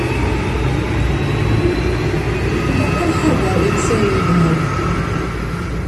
Ilaq ad nḥader insayen yelhan.